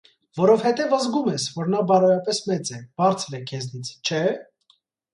Որովհետև զգում ես, որ նա բարոյապես մեծ է, բարձր է քեզնից, չէ՞: